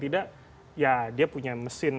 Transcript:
tidak ya dia punya mesin